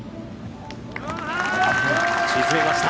沈めました。